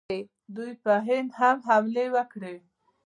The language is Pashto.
دوی په هند هم حملې وکړې